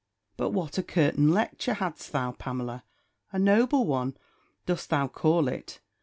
But what a curtain lecture hadst thou, Pamela! A noble one, dost thou call it?